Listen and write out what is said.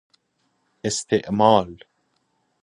استعمال